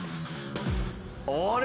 あれ？